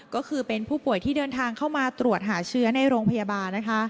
ก็คือเป็นผู้ป่วยที่เดินทางเข้ามาตรวจหาเชื้อในโรงพยาบาลนะคะ